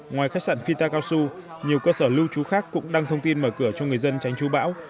ngoài khách sạn vita kao su nhiều cơ sở lưu trú khác cũng đang thông tin mở cửa cho người dân tránh trú bão